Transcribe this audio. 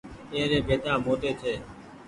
اي ري بيدآ موٽي ڇي۔